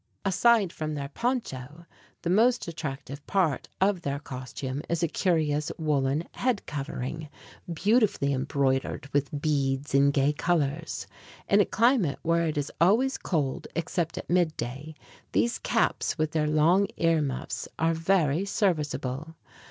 Aside from their poncho, the most attractive part of their costume is a curious woolen head covering, beautifully embroidered with beads in gay colors. In a climate where it is always cold except at midday, these caps with their long ear muffs are very serviceable.